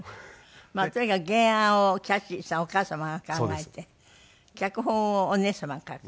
とにかく原案をキャシーさんお母様が考えて脚本をお姉様が雅奈恵さん